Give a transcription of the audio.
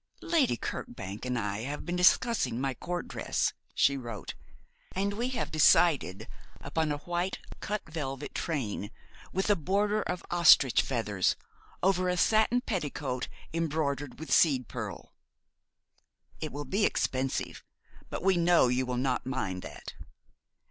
'Lady Kirkbank and I have been discussing my court dress,' she wrote, 'and we have decided upon a white cut velvet train, with a border of ostrich feathers, over a satin petticoat embroidered with seed pearl. It will be expensive, but we know you will not mind that.